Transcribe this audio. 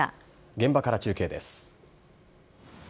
現場から中継です。